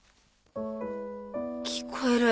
聞こえる。